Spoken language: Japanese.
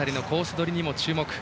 取りにも注目。